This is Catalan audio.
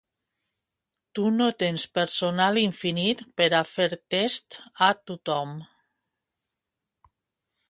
Tu no tens personal infinit per a fer tests a tothom.